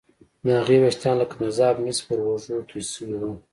د هغې ويښتان لکه مذاب مس پر اوږو توې شوي وو